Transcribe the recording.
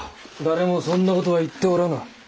誰もそんな事は言っておらぬ。